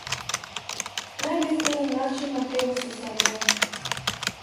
Најбезбеден начин на превоз е со авион.